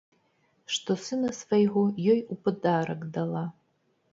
Што сына свайго ёй у падарак дала.